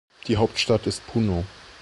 Die Hauptstadt ist Puno.